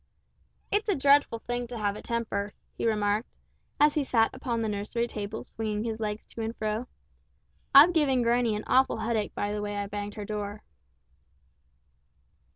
"It's a dreadful thing to have a temper," he remarked, as he sat upon the nursery table swinging his legs to and fro; "I've given granny an awful headache by the way I banged her door."